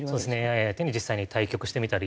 ＡＩ相手に実際に対局してみたり。